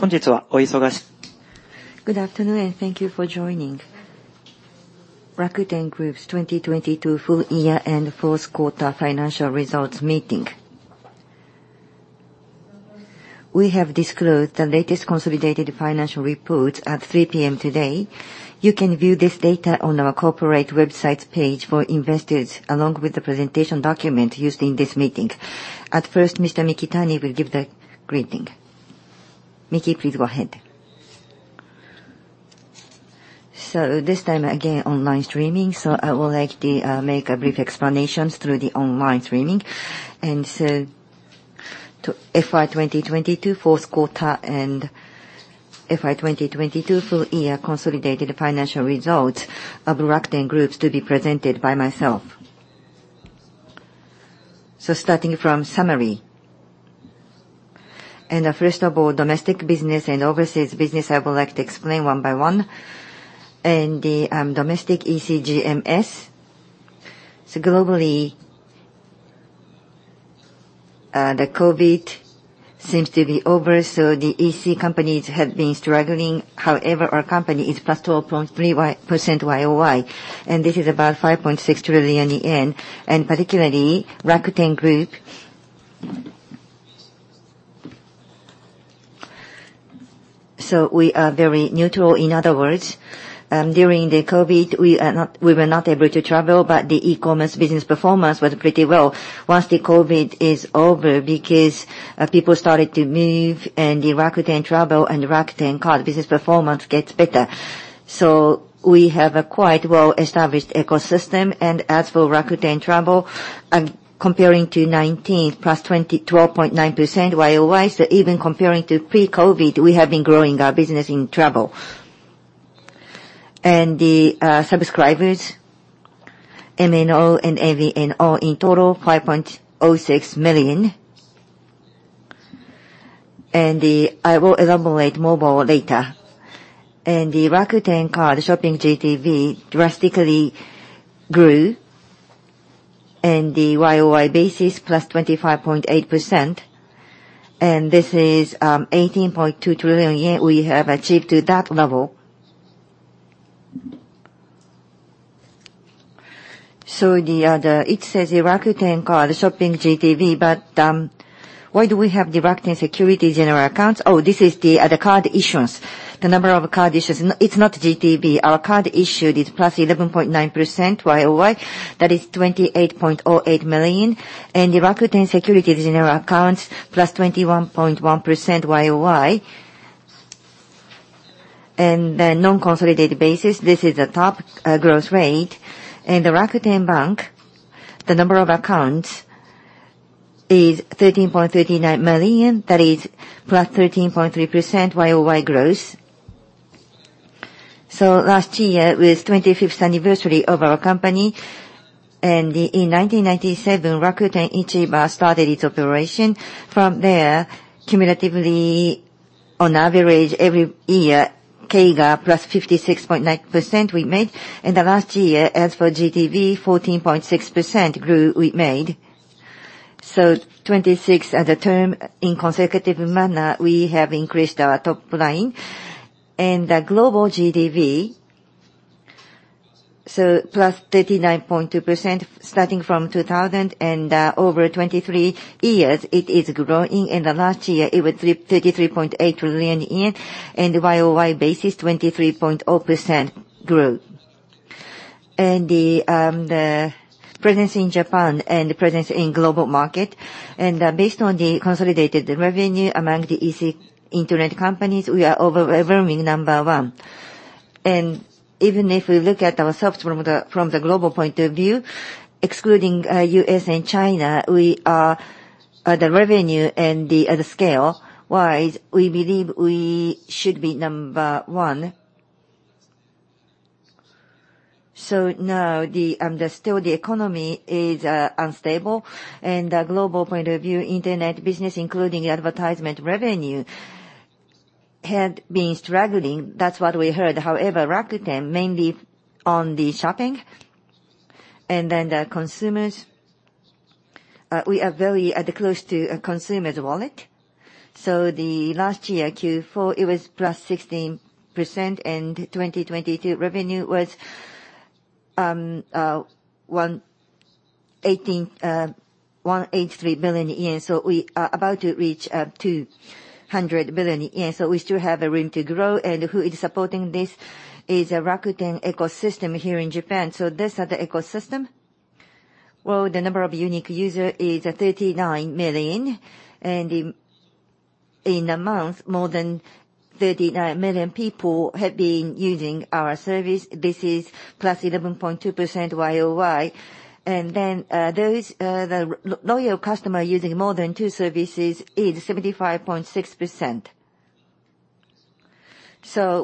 Good afternoon. Thank you for joining Rakuten Group's 2022 full year and fourth quarter financial results meeting. We have disclosed the latest consolidated financial report at 3:00 A.M. today. You can view this data on our corporate website's page for investors, along with the presentation document used in this meeting.At first, Mr. Mikitani will give the greeting. Miki, please go ahead. This time again, online streaming, I would like to make a brief explanations through the online streaming. To FY 2022 fourth quarter and FY 2022 full year consolidated financial results of Rakuten Group's to be presented by myself. Starting from summary. First of all, domestic business and overseas business, I would like to explain one by one. The domestic EC GMS, so globally, the COVID seems to be over, so the EC companies have been struggling. However, our company is plus 12.3% YOY, and this is about 5.6 trillion yen. Particularly Rakuten Group. We are very neutral. In other words, during the COVID we were not able to travel, but the e-commerce business performance was pretty well. Once the COVID is over, because people started to move and the Rakuten Travel and Rakuten Card business performance gets better. We have a quite well-established ecosystem. As for Rakuten Travel, comparing to 2019, plus 12.9% YOY. Even comparing to pre-COVID, we have been growing our business in travel. The subscribers, MNO and MVNO in total 5.06 million. I will elaborate mobile data. Rakuten Card shopping GTV drastically grew and the YOY basis +25.8%. This is 18.2 trillion yen we have achieved to that level. It says the Rakuten Card shopping GTV, but why do we have the Rakuten Securities general accounts? This is the card issuance. The number of card issuance. It's not GTV. Our card issued is +11.9% YOY. That is 28.08 million. Rakuten Securities general accounts +21.1% YOY. Non-consolidated basis, this is the top growth rate. Rakuten Bank, the number of accounts is 13.39 million. That is +13.3% YOY growth. Last year was 25th anniversary of our company. In 1997, Rakuten Ichiba started its operation. From there, cumulatively on average every year, CAGR +56.9% we made. Last year, as for GTV, 14.6% grew we made. 26 at the term in consecutive manner, we have increased our top line. The global GTV, +39.2% starting from 2000, over 23 years it is growing. Last year it was 33.8 trillion yen, YOY basis, 23.0% grew. The presence in Japan and presence in global market. Based on the consolidated revenue among the EC internet companies, we are overwhelming number one. Even if we look at ourselves from the global point of view, excluding U.S. and China, we are the revenue and the scale-wise, we believe we should be number one. Now the still the economy is unstable and the global point of view internet business, including advertisement revenue, had been struggling. That's what we heard. However, Rakuten, mainly on the shopping and then the consumers, we are very close to a consumer's wallet. The last year, Q4, it was +16%, and 2022 revenue was 183 billion yen. We are about to reach 200 billion yen. We still have a room to grow. Who is supporting this is a Rakuten ecosystem here in Japan. These are the ecosystem. Well, the number of unique user is 39 million, in a month more than 39 million people have been using our service. This is +11.2% YOY. Those the loyal customer using more than two services is 75.6%.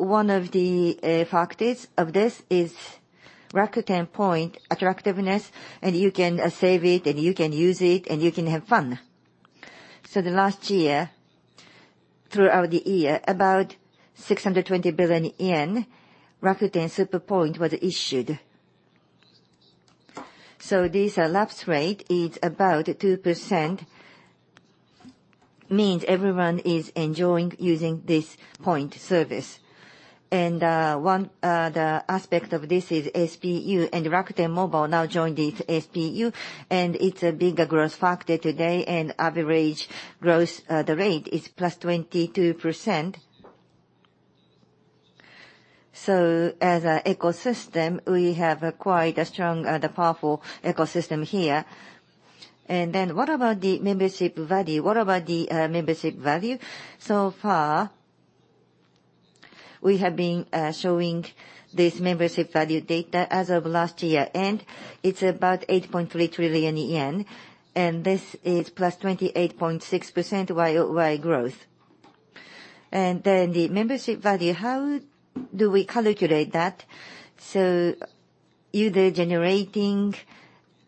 One of the factors of this is Rakuten point attractiveness, and you can save it, and you can use it, and you can have fun. Throughout the year, about 620 billion yen Rakuten Super Point was issued. This elapse rate is about 2%, means everyone is enjoying using this point service. One the aspect of this is SPU and Rakuten Mobile now joined the SPU, and it's a bigger growth factor today and average growth the rate is +22%. As an ecosystem, we have acquired a strong, powerful ecosystem here. What about the membership value? What about the membership value? So far, we have been showing this membership value data as of last year. It's about 8.3 trillion yen, and this is +28.6% YOY growth. The membership value, how do we calculate that? User generating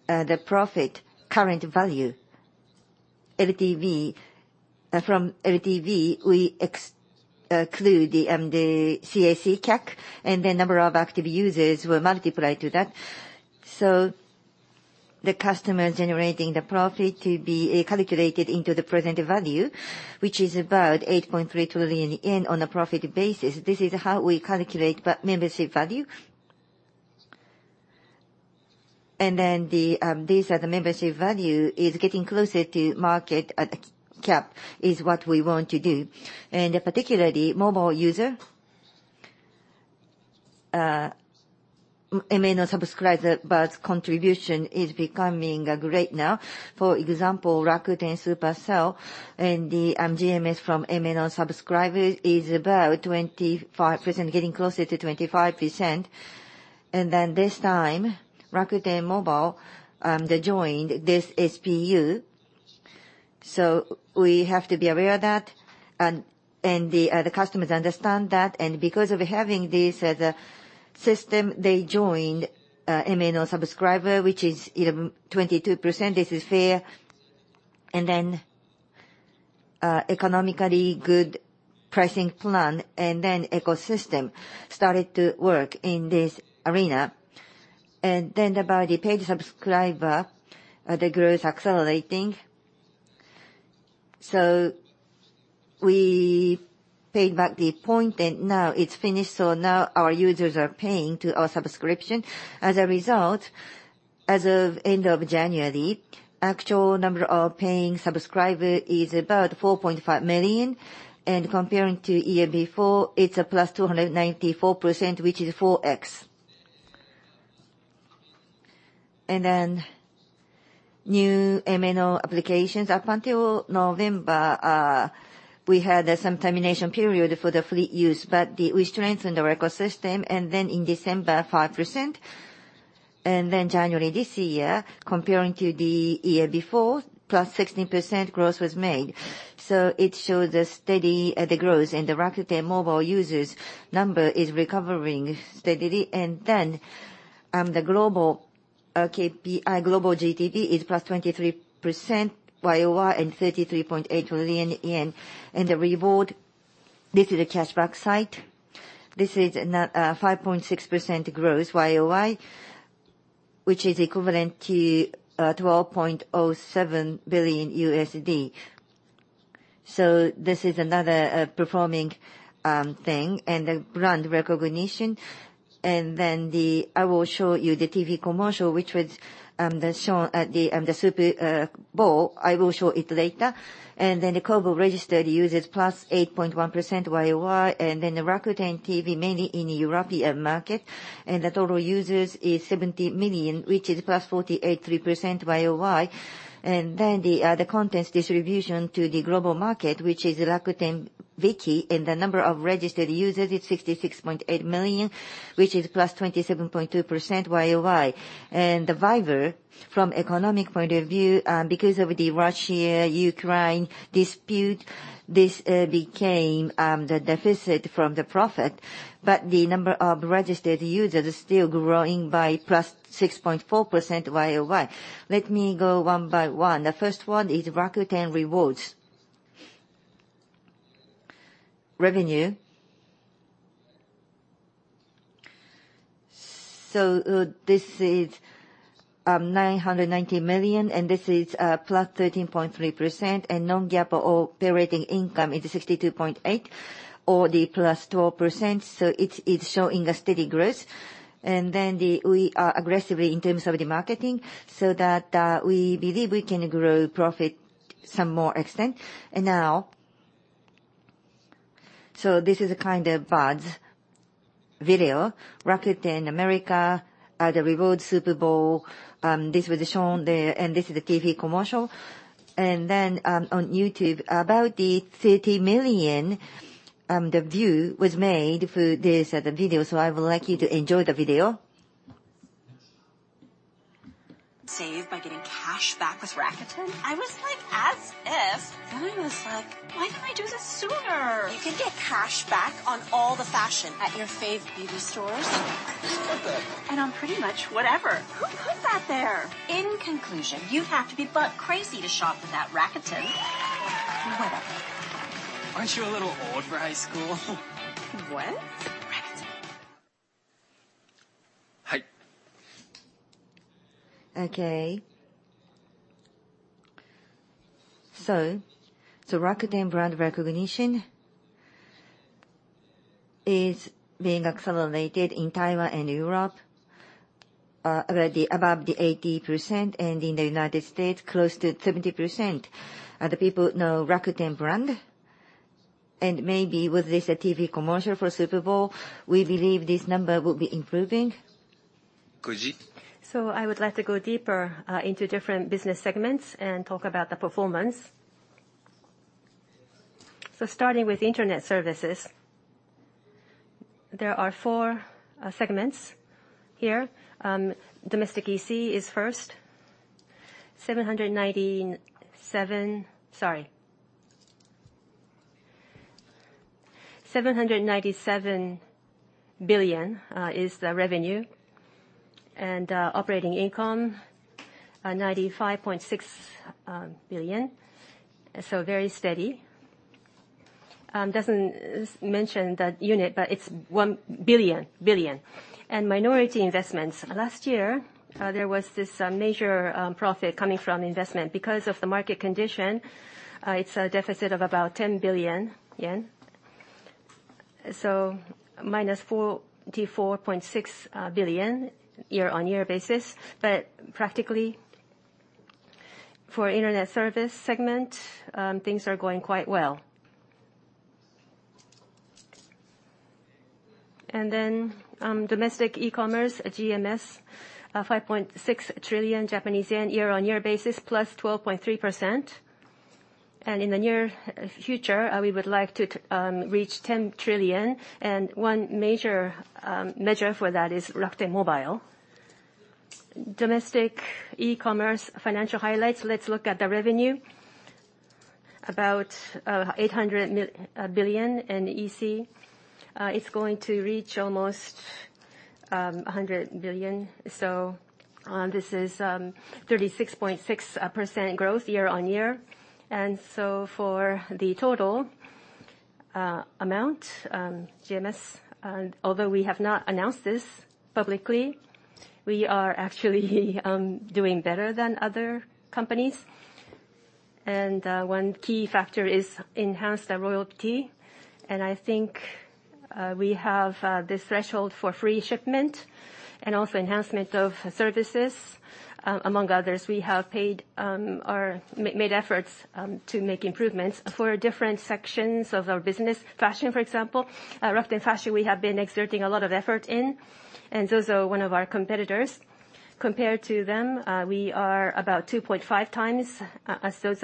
the profit current value, LTV. From LTV, we exclude the CAC, and the number of active users will multiply to that. The customer generating the profit to be calculated into the present value, which is about 8.3 trillion yen on a profit basis. This is how we calculate membership value. The, these are the membership value is getting closer to market at a cap is what we want to do. Particularly mobile user, MNO subscriber, but contribution is becoming great now. For example, Rakuten Super Sale and the GMS from MNO subscribers is about 25%, getting closer to 25%. This time, Rakuten Mobile, they joined this SPU. We have to be aware of that, and the customers understand that. Because of having this as a system, they joined, MNO subscriber, which is 22%, this is fair. Economically good pricing plan, and then ecosystem started to work in this arena. About the paid subscriber, the growth accelerating. We paid back the point and now it's finished, so now our users are paying to our subscription. As a result, as of end of January, actual number of paying subscriber is about 4.5 million, and comparing to year before, it's a +294%, which is 4x. New MNO applications. Up until November, we had some termination period for the free use, we strengthened the ecosystem. In December, 5%. January this year, comparing to the year before, +16% growth was made. It shows a steady growth and the Rakuten Mobile users number is recovering steadily. The global KPI, global GTV is +23% YOY and 33.8 billion yen. The Reward, this is a cashback site. This is 5.6% growth YOY, which is equivalent to $12.07 billion. This is another performing thing and then brand recognition. I will show you the TV commercial which was that shown at the Super Bowl. I will show it later. The total registered users +8.1% YOY. The Rakuten TV, mainly in European market, and the total users is 70 million, which is +48.3% YOY. The contents distribution to the global market, which is Rakuten Viki, and the number of registered users is 66.8 million, which is +27.2% YOY. The Viber, from economic point of view, because of the Russia-Ukraine dispute, this became the deficit from the profit. The number of registered users is still growing by +6.4% YOY. Let me go one by one. The first one is Rakuten Rewards. Revenue. This is 990 million, and this is +13.3%. Non-GAAP operating income is 62.8 or the +12%, so it's showing a steady growth. We are aggressively in terms of the marketing so that we believe we can grow profit some more extent. Now, this is a kind of ads video. Rakuten America, the Rewards Super Bowl, this was shown there, and this is the TV commercial. On YouTube, about the 30 million, the view was made for this other video, so I would like you to enjoy the video. Save by getting cash back with Rakuten? I was like, "As if." I was like, "Why didn't I do this sooner?" You can get cashback on all the fashion at your fave beauty stores. What the? On pretty much whatever. Who put that there? In conclusion, you'd have to be butt crazy to shop without Rakuten. Aren't you a little old for high school? What? Rakuten. Okay. The Rakuten brand recognition is being accelerated in Taiwan and Europe, about the above the 80%. In the United States, close to 70% of the people know Rakuten brand. Maybe with this TV commercial for Super Bowl, we believe this number will be improving. I would like to go deeper into different business segments and talk about the performance. Starting with internet services, there are four segments here. Domestic EC is first, 797 billion is the revenue and operating income 95.6 billion. Very steady. Doesn't mention the unit, but it's one billion. Minority investments. Last year, there was this major profit coming from investment. Because of the market condition, it's a deficit of about 10 billion yen. Minus 44.6 billion year-on-year basis. Practically, for internet service segment, things are going quite well. Domestic e-commerce GMS 5.6 trillion Japanese yen year-on-year basis +12.3%. In the near future, we would like to reach 10 trillion. One major measure for that is Rakuten Mobile. Domestic e-commerce financial highlights, let's look at the revenue, about 800 billion in EC. It's going to reach almost 100 billion. This is 36.6% growth year-on-year. For the total amount, GMS, although we have not announced this publicly, we are actually doing better than other companies. One key factor is enhanced loyalty. I think we have this threshold for free shipment and also enhancement of services. Among others, we have paid or made efforts to make improvements for different sections of our business. Fashion, for example, Rakuten Fashion, we have been exerting a lot of effort in. Those are one of our competitors. Compared to them, we are about 2.5 times as those.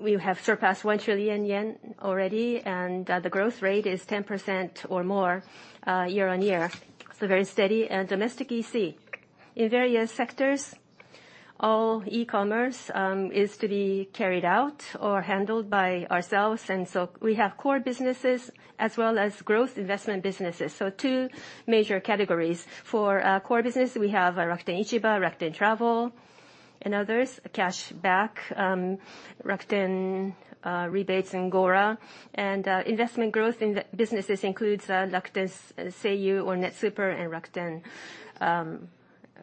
We have surpassed 1 trillion yen already, the growth rate is 10% or more year-on-year. Very steady and domestic EC. In various sectors, all e-commerce is to be carried out or handled by ourselves. We have core businesses as well as growth investment businesses. T wo major categories. For core business, we have Rakuten Ichiba, Rakuten Travel, and others, cashback, Rakuten Rebates, and GORA. Investment growth in the businesses includes Rakuten Seiyu or Netsuper and Rakuten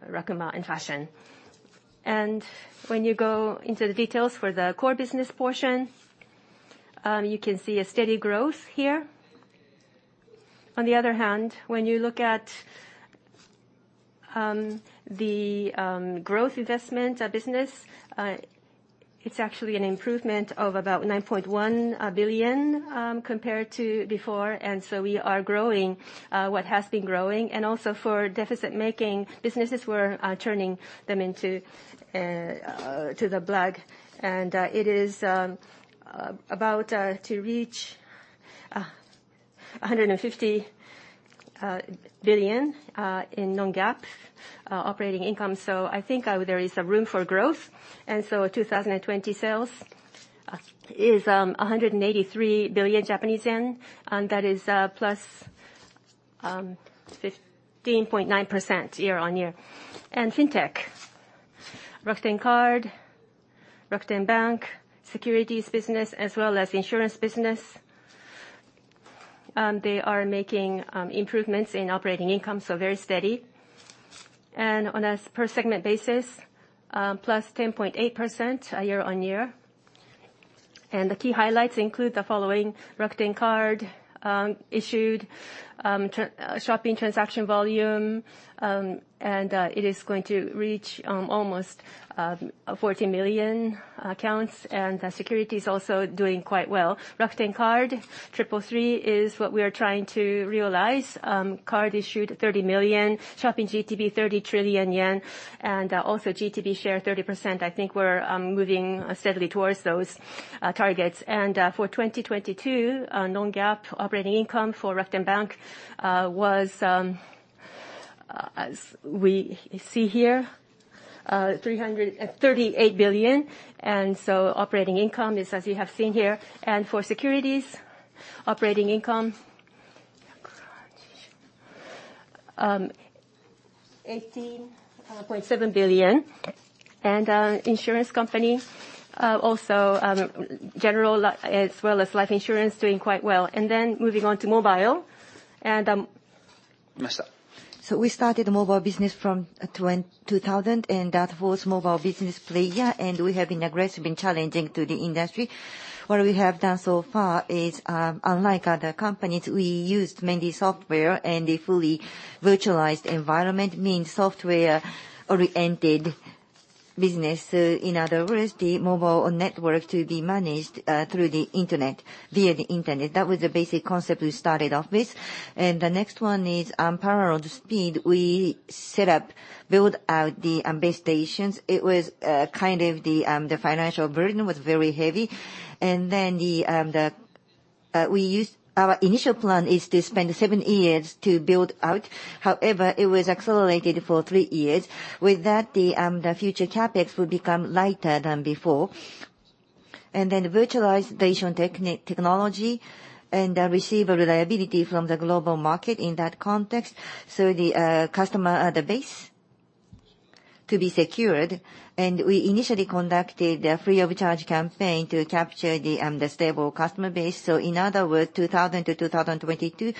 Rakuma and Fashion. When you go into the details for the core business portion, you can see a steady growth here. On the other hand, when you look at the growth investment business, it's actually an improvement of about 9.1 billion compared to before. We are growing what has been growing. Also for deficit-making businesses, we're turning them into to the black. It is about to reach 150 billion in non-GAAP operating income. I think there is room for growth. 2020 sales is 183 billion Japanese yen, and that is +15.9% YOY. FinTech, Rakuten Card, Rakuten Bank, securities business, as well as insurance business, they are making improvements in operating income, so very steady. On a per segment basis, +10.8% year-on-year. The key highlights include the following: Rakuten Card issued shopping transaction volume, and it is going to reach almost 40 million accounts. Rakuten Securities also doing quite well. Rakuten Card Triple Three is what we are trying to realize. Card issued 30 million, shopping GTV 30 trillion yen, also GTV share 30%. I think we're moving steadily towards those targets. For 2022, non-GAAP operating income for Rakuten Bank was, as we see here, 338 billion. Operating income is as you have seen here. For Rakuten Securities, operating income JPY 18.7 billion. Insurance company also general as well as life insurance doing quite well. Moving on to mobile and. We started the mobile business from 2000, and that was mobile business player, and we have been aggressive in challenging to the industry. What we have done so far is, unlike other companies, we used mainly software and a fully virtualized environment, means software-oriented business. In other words, the mobile network to be managed through the internet, via the internet. That was the basic concept we started off with. The next one is parallel speed. We set up, build out the base stations. It was kind of the financial burden was very heavy. Our initial plan is to spend seven years to build out. However, it was accelerated for three years. With that, the future CapEx will become lighter than before. Then virtualized nation technology and receive a reliability from the global market in that context. The customer base to be secured, and we initially conducted a free of charge campaign to capture the stable customer base. In other words, 2000-2022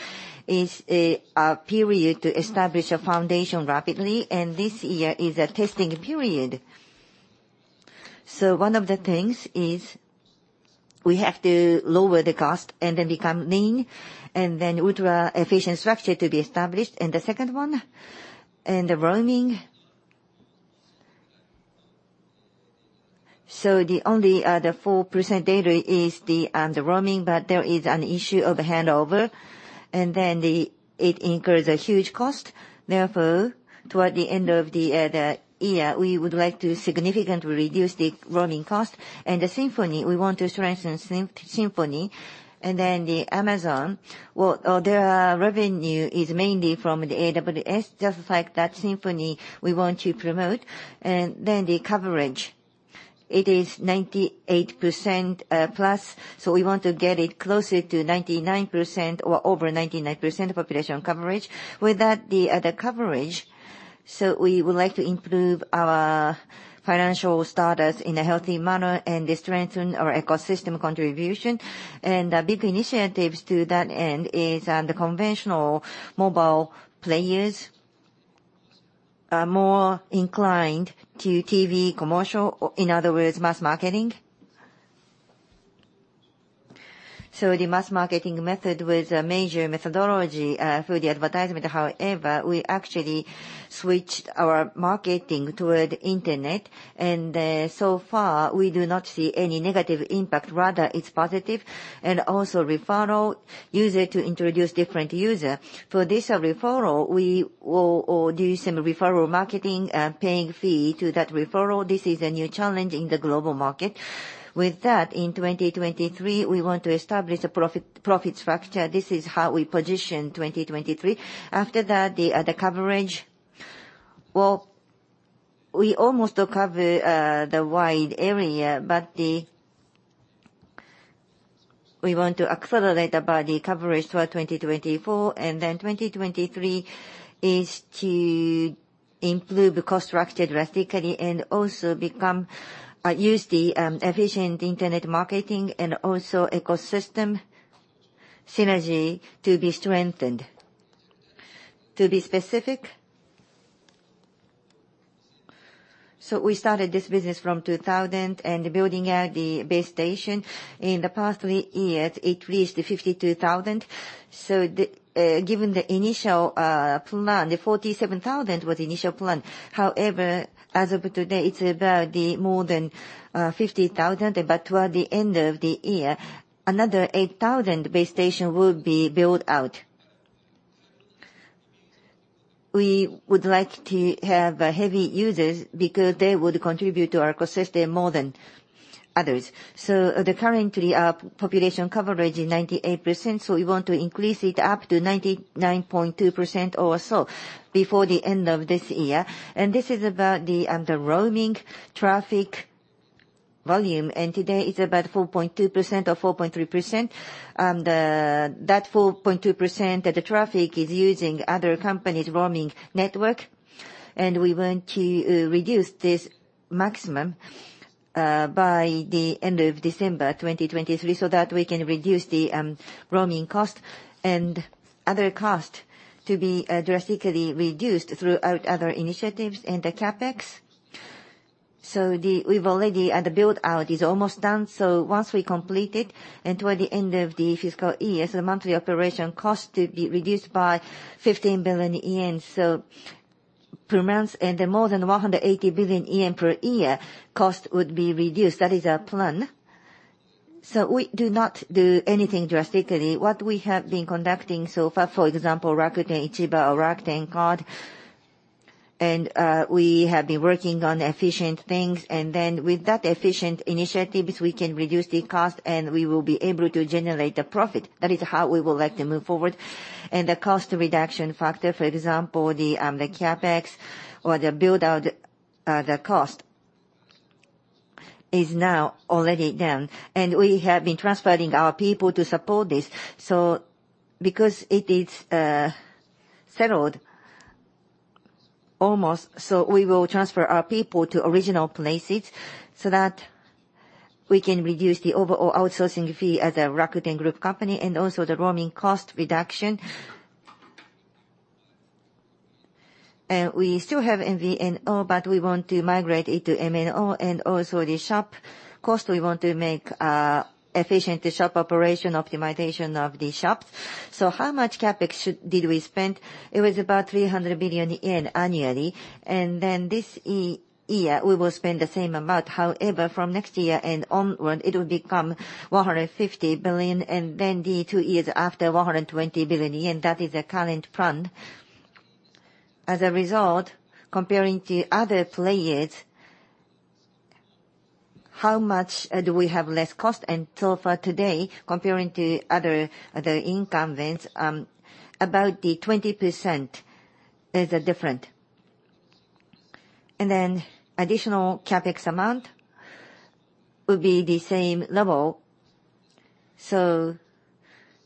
is a period to establish a foundation rapidly, and this year is a testing period. One of the things is we have to lower the cost and then become lean, and then ultra-efficient structure to be established. The second one, and the roaming. The only 4% data is the roaming, but there is an issue of handover. Then it incurs a huge cost. Therefore, toward the end of the year, we would like to significantly reduce the roaming cost. The Symphony, we want to strengthen Symphony. The Amazon, well, their revenue is mainly from the AWS, just like that Symphony we want to promote. The coverage, it is 98% plus, so we want to get it closer to 99% or over 99% of population coverage. With that, the coverage, so we would like to improve our financial status in a healthy manner and to strengthen our ecosystem contribution. A big initiatives to that end is the conventional mobile players are more inclined to TV commercial, in other words, mass marketing. The mass marketing method was a major methodology for the advertisement. However, we actually switched our marketing toward internet, and so far we do not see any negative impact, rather it's positive. Also referral user to introduce different user. For this referral, we will, or do some referral marketing, paying fee to that referral. This is a new challenge in the global market. With that, in 2023, we want to establish a profit structure. This is how we position 2023. After that, the coverage, well, we almost cover the wide area, we want to accelerate about the coverage toward 2024. And then 2023 is to improve the cost structure drastically and also become use the efficient internet marketing and also ecosystem synergy to be strengthened. To be specific, we started this business from 2000 and building out the base station. In the past three years, it reached 52,000. Given the initial plan, 47,000 was the initial plan. as of today, it's about the more than 50,000, but toward the end of the year, another 8,000 base station will be built out. We would like to have heavy users because they would contribute to our ecosystem more than others. the currently our population coverage is 98%, so we want to increase it up to 99.2% or so before the end of this year. This is about the roaming traffic volume, and today it's about 4.2% or 4.3%. that 4.2% of the traffic is using other companies' roaming network, and we want to reduce this maximum by the end of December 2023 so that we can reduce the roaming cost. Other cost to be drastically reduced throughout other initiatives and the CapEx. We've already, the build-out is almost done. Once we complete it and toward the end of the fiscal year, the monthly operation cost to be reduced by 15 billion yen, per month and more than JPY 180 billion per year cost would be reduced. That is our plan. We do not do anything drastically. What we have been conducting so far, for example, Rakuten Ichiba or Rakuten Card. We have been working on efficient things, and then with that efficient initiatives, we can reduce the cost and we will be able to generate the profit. That is how we would like to move forward. The cost reduction factor, for example, the CapEx or the build-out, the cost is now already down. We have been transferring our people to support this. Because it is settled almost, we will transfer our people to original places so that we can reduce the overall outsourcing fee as a Rakuten Group company, also the roaming cost reduction. We still have MVNO, but we want to migrate it to MNO. Also the shop cost, we want to make efficient the shop operation, optimization of the shops. How much CapEx did we spend? It was about 300 billion yen annually. This year, we will spend the same amount. However, from next year and onward, it will become 150 billion. The two years after, 120 billion yen, that is the current plan. As a result, comparing to other players, how much do we have less cost? So far today, comparing to other incumbents, about 20% is the different. Additional CapEx amount will be the same level.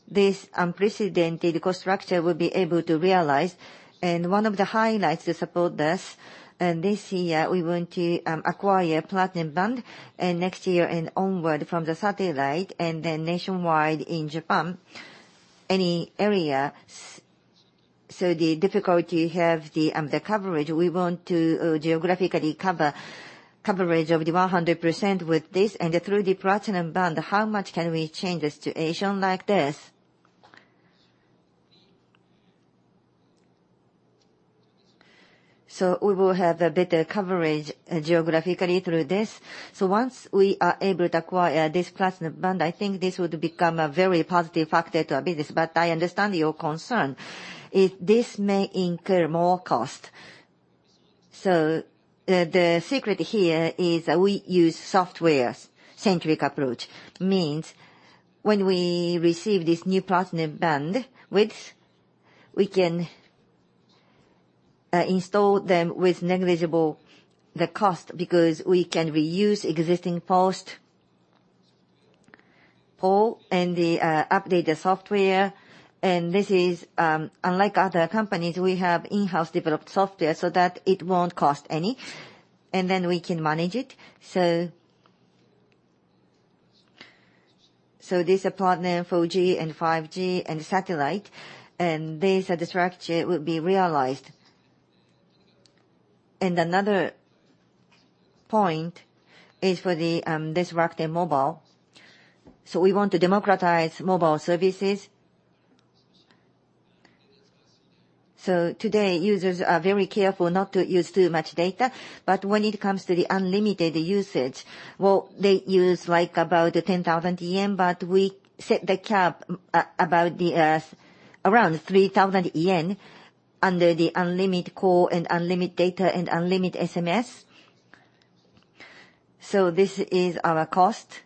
This unprecedented cost structure will be able to realize. One of the highlights to support this year we want to acquire platinum band and next year and onward from the satellite, and then nationwide in Japan, any area so the difficulty have the coverage, we want to geographically cover 100% with this. Through the platinum band, how much can we change the situation like this? We will have a better coverage geographically through this. Once we are able to acquire this platinum band, I think this would become a very positive factor to our business. I understand your concern if this may incur more cost. The secret here is we use software s-centric approach, means when we receive this new platinum band width, we can install them with negligible the cost because we can reuse existing post, pole and update the software. This is unlike other companies. We have in-house developed software so that it won't cost any, and then we can manage it. This platinum 4G and 5G and satellite, and this as a structure will be realized. Another point is for this Rakuten Mobile. We want to democratize mobile services. Today, users are very careful not to use too much data, but when it comes to the unlimited usage, well, they use like about 10,000 yen, but we set the cap about the around 3,000 yen under the unlimited call and unlimited data and unlimited SMS. This is our cost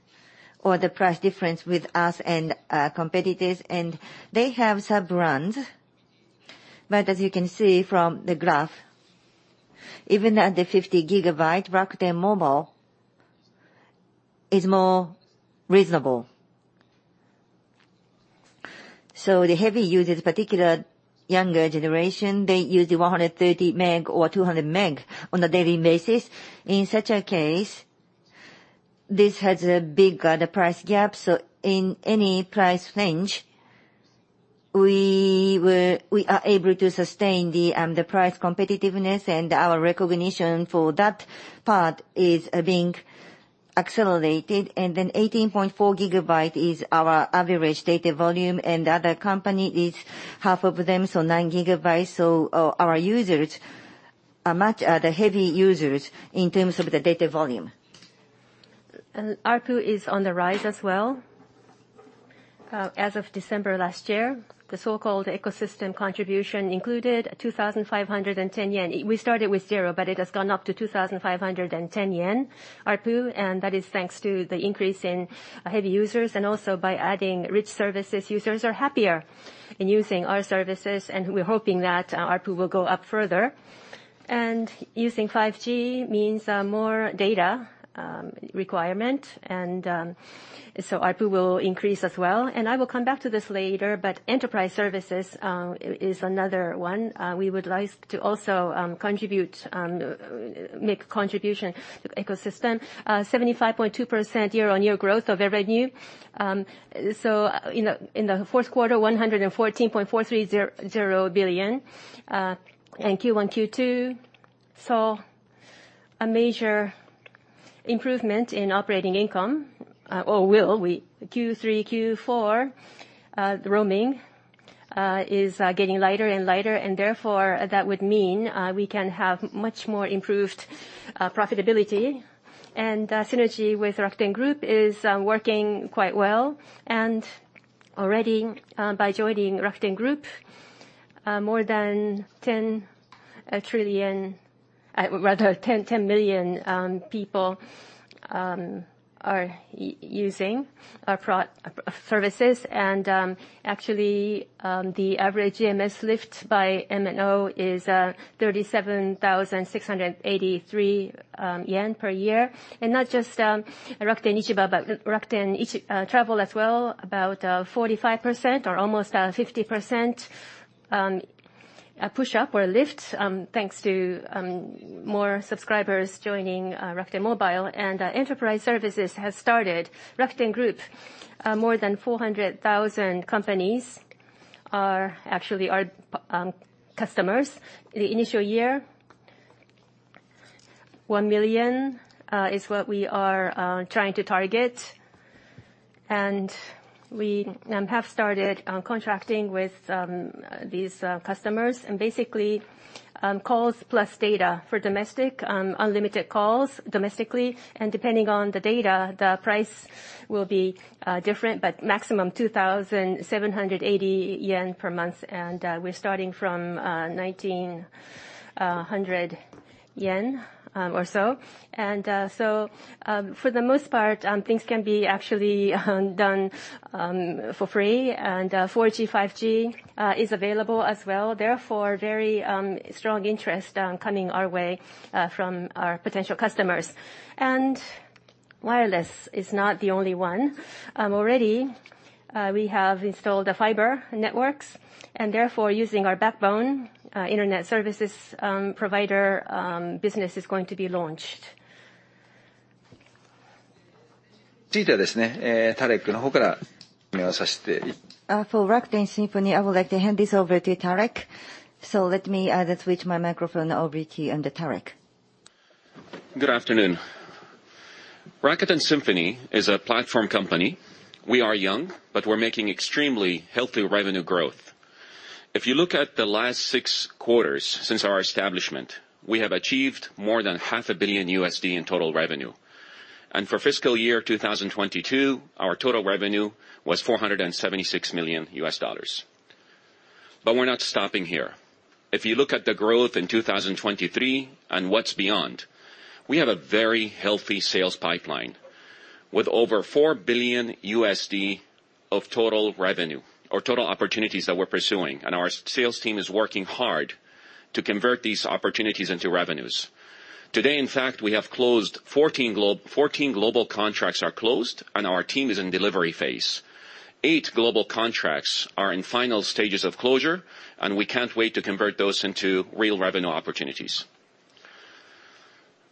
or the price difference with us and competitors. They have sub-brands, but as you can see from the graph, even at the 50 gigabyte, Rakuten Mobile is more reasonable. The heavy users, particular younger generation, they use 130 meg or 200 meg on a daily basis. In such a case, this has a bigger the price gap, so in any price range, we are able to sustain the price competitiveness and our recognition for that part is being accelerated. 18.4 GB is our average data volume, and the other company is half of them, so 9 GB. Our users are much the heavy users in terms of the data volume. ARPU is on the rise as well. As of December last year, the so-called ecosystem contribution included 2,510 yen. We started with zero, but it has gone up to 2,510 yen ARPU, and that is thanks to the increase in heavy users and also by adding rich services, users are happier in using our services, and we're hoping that ARPU will go up further. Using 5G means more data requirement and so ARPU will increase as well. I will come back to this later, but enterprise services is another one. We would like to also contribute make contribution to ecosystem. 75.2% year-on-year growth of revenue. In the fourth quarter, 114.4300 billion. Q1, Q2 saw a major improvement in operating income, or will. We, Q3, Q4, the roaming is getting lighter and lighter and therefore that would mean, we can have much more improved profitability. Synergy with Rakuten Group is working quite well. Already, by joining Rakuten Group, more than 10 million people are using our services. Actually, the average MS lift by MNO is 37,683 yen per year. Not just Rakuten Ichiba, but Rakuten Travel as well, about 45% or almost 50%, pushup or lift, thanks to more subscribers joining Rakuten Mobile. Enterprise services has started. Rakuten Group, more than 400,000 companies are actually our customers. The initial year, 1 million, is what we are trying to target. We have started contracting with these customers. Basically, calls plus data for domestic unlimited calls domestically. Depending on the data, the price will be different, but maximum 2,780 yen per month. We're starting from 1,900 yen or so. For the most part, things can be actually done for free. 4G, 5G, is available as well. Therefore, very strong interest coming our way from our potential customers. Wireless is not the only one. Already, we have installed the fiber networks, therefore, using our backbone, internet services, provider, business is going to be launched. For Rakuten Symphony, I would like to hand this over to Tareq. Let me switch my microphone over to Tareq. Good afternoon. Rakuten Symphony is a platform company. We are young, but we're making extremely healthy revenue growth. If you look at the last six quarters since our establishment, we have achieved more than half a billion USD in total revenue. For fiscal year 2022, our total revenue was $476 million. We're not stopping here. If you look at the growth in 2023 and what's beyond, we have a very healthy sales pipeline, with over $4 billion of total revenue or total opportunities that we're pursuing. Our sales team is working hard to convert these opportunities into revenues. Today, in fact, we have closed fourteen global contracts are closed, and our team is in delivery phase. Eight global contracts are in final stages of closure, and we can't wait to convert those into real revenue opportunities.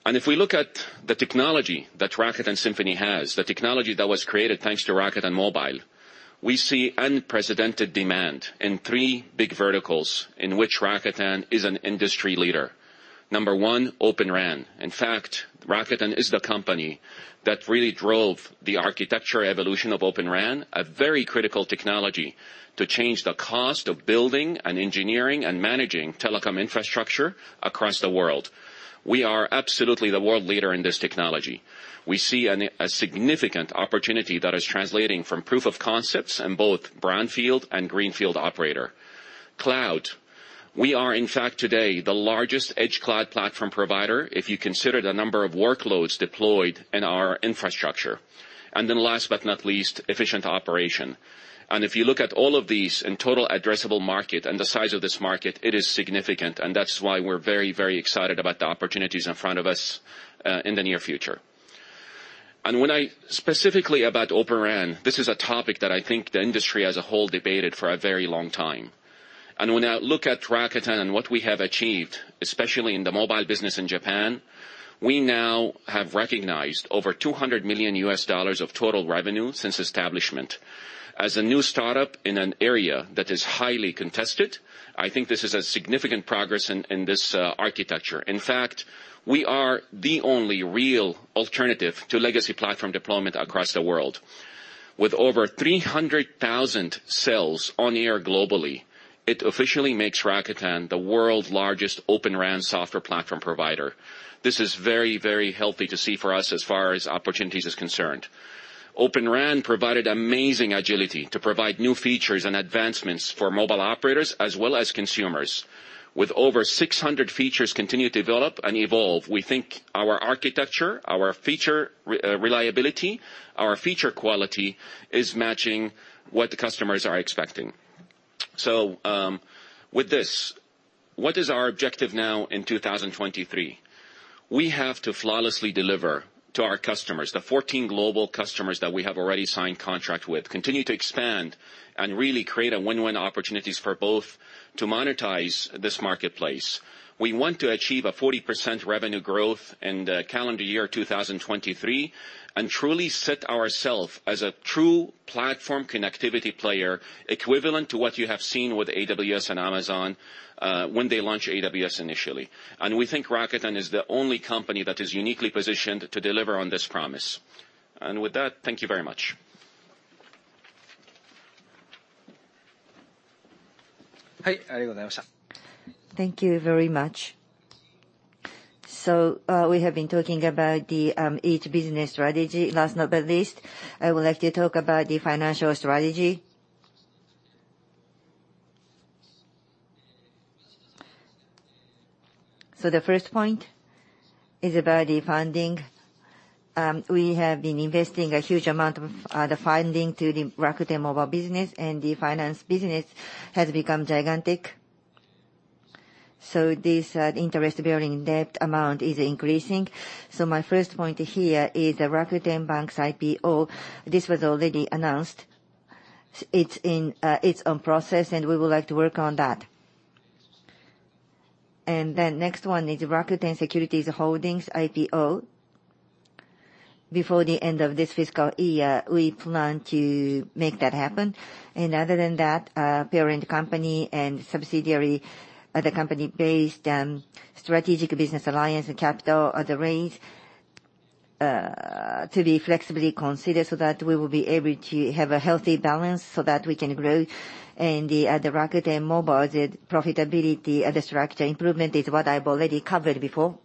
If we look at the technology that Rakuten Symphony has, the technology that was created thanks to Rakuten Mobile, we see unprecedented demand in three big verticals in which Rakuten is an industry leader. Number one, Open RAN. In fact, Rakuten is the company that really drove the architecture evolution of Open RAN, a very critical technology to change the cost of building and engineering and managing telecom infrastructure across the world. We are absolutely the world leader in this technology. We see a significant opportunity that is translating from proof of concepts in both brownfield and greenfield operator. Cloud, we are in fact today the largest edge cloud platform provider if you consider the number of workloads deployed in our infrastructure. Last but not least, efficient operation. If you look at all of these in total addressable market and the size of this market, it is significant, and that's why we're very, very excited about the opportunities in front of us in the near future. Specifically about Open RAN, this is a topic that I think the industry as a whole debated for a very long time. When I look at Rakuten and what we have achieved, especially in the mobile business in Japan, we now have recognized over $200 million of total revenue since establishment. As a new startup in an area that is highly contested, I think this is a significant progress in this architecture. In fact, we are the only real alternative to legacy platform deployment across the world. With over 300,000 sales on air globally, it officially makes Rakuten the world's largest Open RAN software platform provider. This is very, very healthy to see for us as far as opportunities is concerned. Open RAN provided amazing agility to provide new features and advancements for mobile operators as well as consumers. With over 600 features continue to develop and evolve, we think our architecture, our feature reliability, our feature quality is matching what the customers are expecting. With this, what is our objective now in 2023? We have to flawlessly deliver to our customers, the 14 global customers that we have already signed contract with, continue to expand and really create a win-win opportunities for both to monetize this marketplace. We want to achieve a 40% revenue growth in the calendar year 2023 and truly set ourself as a true platform connectivity player, equivalent to what you have seen with AWS and Amazon when they launched AWS initially. We think Rakuten is the only company that is uniquely positioned to deliver on this promise. With that, thank you very much. Thank you very much. We have been talking about the each business strategy. Last but not least, I would like to talk about the financial strategy. The first point is about the funding. We have been investing a huge amount of the funding to the Rakuten Mobile business, and the finance business has become gigantic. This interest-bearing debt amount is increasing. My first point here is the Rakuten Bank's IPO. This was already announced. It's in its own process, and we would like to work on that. Next one is Rakuten Securities Holdings IPO. Before the end of this fiscal year, we plan to make that happen. Other than that, parent company and subsidiary of the company-based, strategic business alliance and capital are arranged to be flexibly considered so that we will be able to have a healthy balance so that we can grow. The Rakuten Mobile's profitability and the structure improvement is what I've already covered before.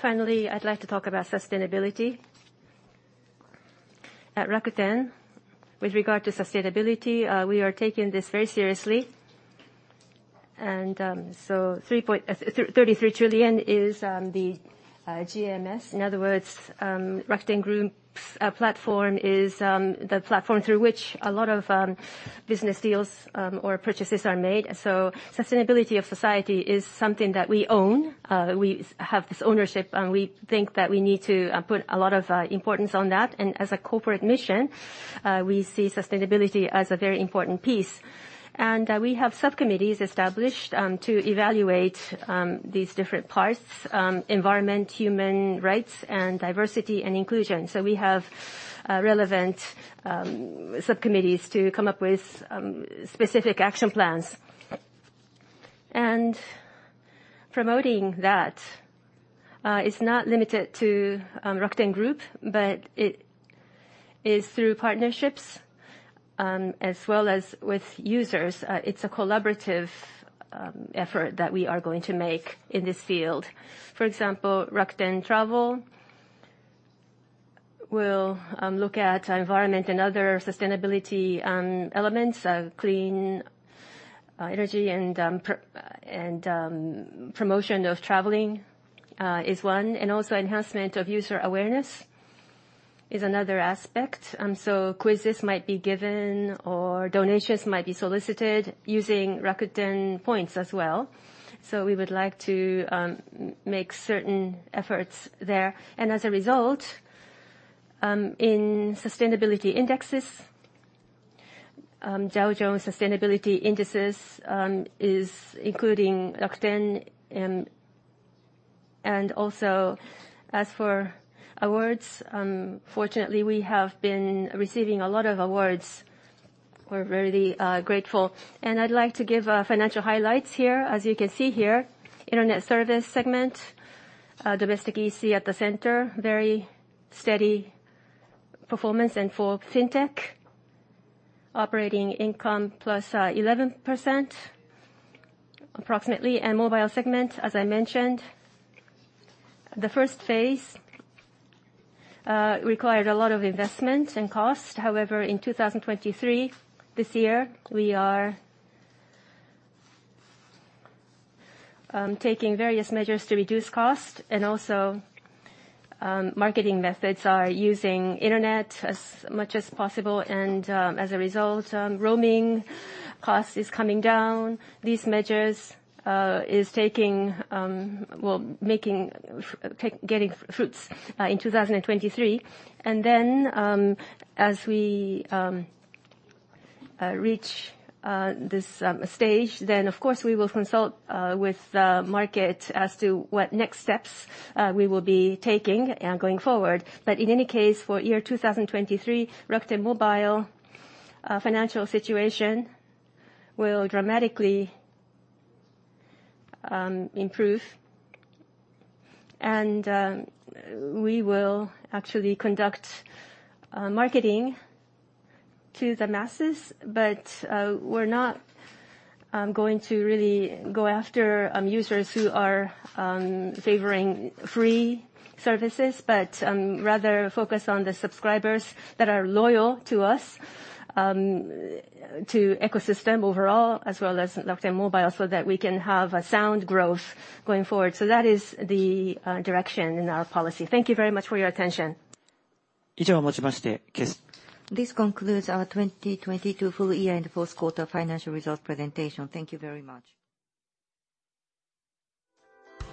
Finally, I'd like to talk about sustainability. At Rakuten, with regard to sustainability, we are taking this very seriously. 33 trillion is the GMS. In other words, Rakuten Group's platform is the platform through which a lot of business deals or purchases are made. Sustainability of society is something that we own. We have this ownership, and we think that we need to put a lot of importance on that. As a corporate mission, we see sustainability as a very important piece. We have sub-committees established to evaluate these different parts, environment, human rights, and diversity and inclusion. We have relevant sub-committees to come up with specific action plans. Promoting that is not limited to Rakuten Group, but it is through partnerships as well as with users. It's a collaborative effort that we are going to make in this field. For example, Rakuten Travel will look at environment and other sustainability elements, clean energy and promotion of traveling is one, and also enhancement of user awareness is another aspect. Quizzes might be given or donations might be solicited using Rakuten points as well. We would like to make certain efforts there. As a result, in sustainability indexes, Dow Jones Sustainability Indices is including Rakuten. Also as for awards, fortunately, we have been receiving a lot of awards. We're really grateful. I'd like to give financial highlights here. As you can see here, internet service segment, domestic EC at the center, very steady performance. For FinTech, operating income plus 11%, approximately. Mobile segment, as I mentioned, the first phase required a lot of investment and cost. However, in 2023, this year, we are taking various measures to reduce cost and also marketing methods are using internet as much as possible, and as a result, roaming cost is coming down. These measures is taking well, making getting fruits in 2023. As we reach this stage, then of course we will consult with the market as to what next steps we will be taking going forward. In any case, for year 2023, Rakuten Mobile financial situation will dramatically improve. We will actually conduct marketing to the masses. We're not going to really go after users who are favoring free services, but rather focus on the subscribers that are loyal to us, to ecosystem overall, as well as Rakuten Mobile, so that we can have a sound growth going forward. That is the direction in our policy. Thank you very much for your attention. This concludes our 2022 full year and fourth quarter financial results presentation. Thank you very much.